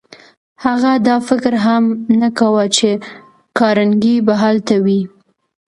هغه دا فکر هم نه کاوه چې کارنګي به هلته وي.